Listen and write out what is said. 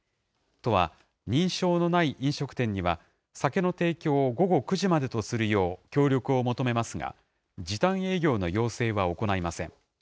都は、認証のない飲食店には、酒の提供を午後９時までとするよう協力を求めますが、時短営業の要請は行いません。